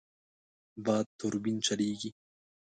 باد توربین چلېږي.